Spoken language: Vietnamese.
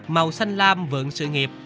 màu xanh lam vượng sự nghiệp